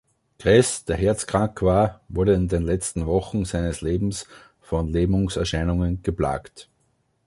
Kress, der herzkrank war, wurde in den letzten Wochen seines Lebens von Lähmungserscheinungen geplagt.